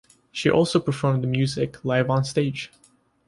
She also performed the music live on stage.